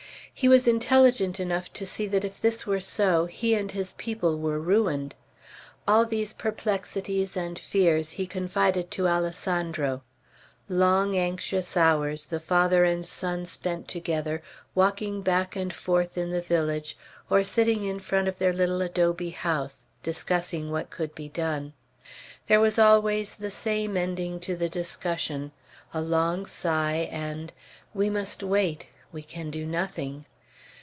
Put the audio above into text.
He was intelligent enough to see that if this were so, he and his people were ruined. All these perplexities and fears he confided to Alessandro; long anxious hours the father and son spent together, walking back and forth in the village, or sitting in front of their little adobe house, discussing what could be done. There was always the same ending to the discussion, a long sigh, and, "We must wait, we can do nothing."